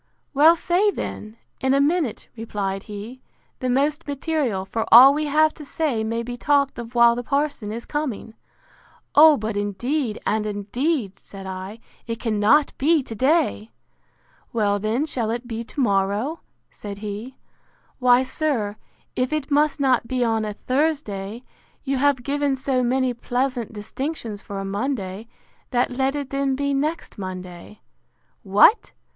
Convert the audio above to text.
—Well, say then, in a minute, replied he, the most material: for all we have to say may be talked of while the parson is coming.—O, but indeed, and indeed, said I, it cannot be to day!—Well, then, shall it be to morrow? said he.—Why, sir, if it must not be on a Thursday, you have given so many pleasant distinctions for a Monday, that let it then be next Monday.—What!